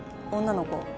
女の子。